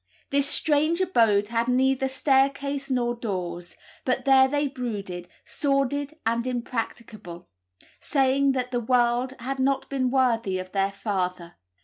This strange abode had neither staircase nor doors, but there they brooded, sordid and impracticable, saying that the world had not been worthy of their father.